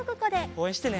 おうえんしてね。